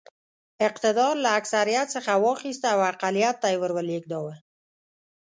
اقتدار له اکثریت څخه واخیست او اقلیت ته یې ور ولېږداوه.